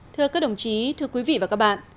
thưa các đồng chí thưa quý vị và các bạn